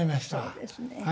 そうですね。